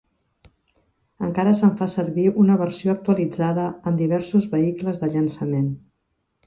Encara se'n fa servir una versió actualitzada en diversos vehicles de llançament.